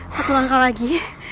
satu langkah lagi